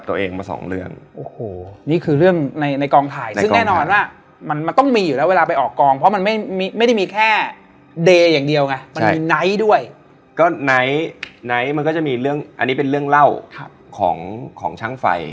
อันนี้คือรู้สึกเลยว่าเรานอนอยู่เด็กคนนี้มาจับข้อมือเราอย่างงี้